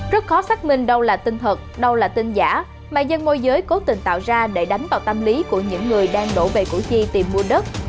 rất khó xác minh đâu là tin thật đâu là tin giả mà dân môi giới cố tình tạo ra để đánh vào tâm lý của những người đang đổ về củ chi tìm mua đất